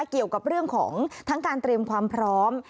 เกี่ยวกับเรื่องของทั้งการเตรียมความพร้อม